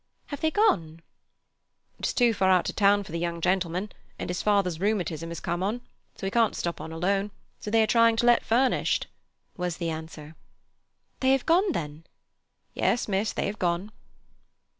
"Have they gone?" "It is too far out of town for the young gentleman, and his father's rheumatism has come on, so he can't stop on alone, so they are trying to let furnished," was the answer. "They have gone, then?" "Yes, miss, they have gone."